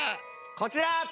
こちら！